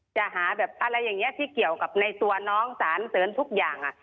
จะหาแบบอะไรอย่างนี้ที่เกี่ยวกับในตัวน้องสารเสริญทุกอย่าง